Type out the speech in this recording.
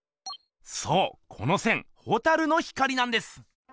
そうこの線蛍の光なんです！